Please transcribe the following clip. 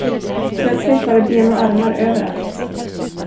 Plötsligt var det ben och armar överallt.